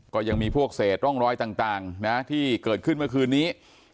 ก็ยังมีพวกเศษร่องรอยต่างนะที่เกิดขึ้นเมื่อคืนนี้